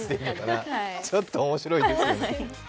ちょっと面白いですね。